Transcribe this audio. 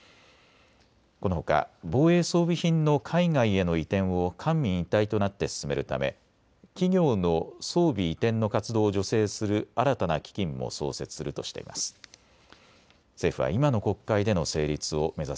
このほか防衛装備品の海外への移転を官民一体となって進めるため企業の装備移転の活動を助成する新たな基金も創設するとしています。